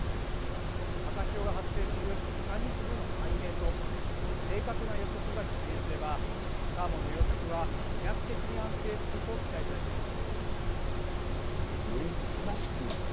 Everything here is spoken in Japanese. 赤潮が発生するメカニズムの解明と正確な予測が実現すればサーモンの養殖は飛躍的に安定すると期待されています。